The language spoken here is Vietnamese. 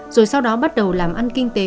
rồi sau đó bắt đầu làm ăn kinh tế